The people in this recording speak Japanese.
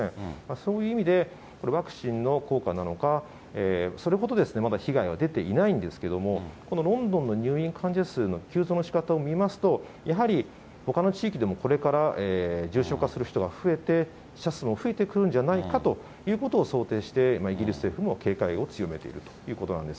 そういう意味で、ワクチンの効果なのか、それほど被害は出ていないんですけれども、このロンドンの入院患者数の急増のしかたを見ますと、やはりほかの地域でも、これから重症化する人が増えて、死者数も増えてくるんじゃないかということを想定して、イギリス政府も警戒を強めているということなんです。